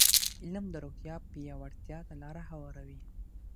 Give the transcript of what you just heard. علم د روغتیا پیاوړتیا ته لاره هواروي.